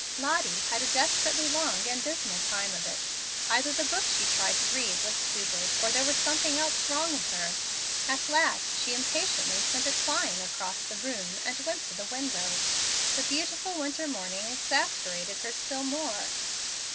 Lottie had a desperately long and dismal time of it. Either the book she tried to read was stupid, or there was something wrong with her. At last she impatiently sent it flying across the room, and went to the window. The beautiful winter morning exasperated her still more.